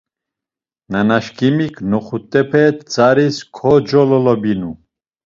Nanaşkimik noxut̆epe tzaris kocolobinu.